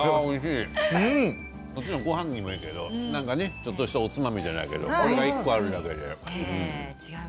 もちろん、ごはんにもいいけどちょっとしたおつまみとかにもねこれが１個あるだけで。